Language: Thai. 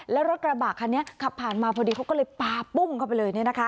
แล้วรถกระบะคันนี้ขับผ่านมาพอดีเขาก็เลยปลาปุ้งเข้าไปเลย